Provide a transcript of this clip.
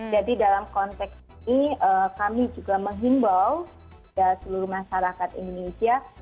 jadi dalam konteks ini kami juga menghimbau seluruh masyarakat indonesia